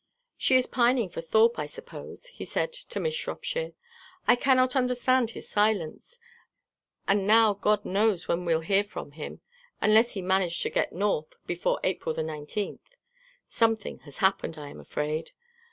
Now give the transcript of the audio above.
"She is pining for Thorpe, I suppose," he said to Miss Shropshire. "I cannot understand his silence; and now God knows when we'll hear from him, unless he managed to get North before April 19th. Something has happened, I am afraid.